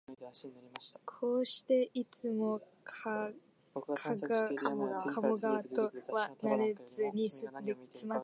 こうして、いつも加茂川とはなれずに住まってきたのも、